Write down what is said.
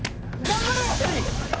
頑張れ！